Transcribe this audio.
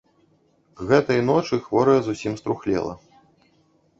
К гэтай ночы хворая зусім струхлела.